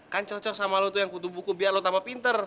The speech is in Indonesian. kan cocok sama lo tuh yang butuh buku biar lo tambah pinter